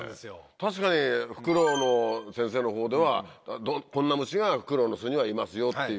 確かにフクロウの先生のほうではこんな虫がフクロウの巣にはいますよっていう。